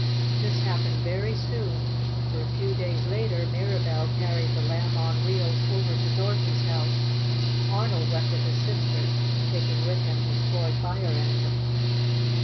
This happened very soon, for a few days later Mirabell carried the Lamb on Wheels over to Dorothy's house. Arnold went with his sister, taking with him his toy fire engine.